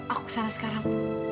aku kesana sekarang